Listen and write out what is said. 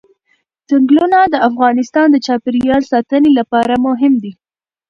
ځنګلونه د افغانستان د چاپیریال ساتنې لپاره مهم دي.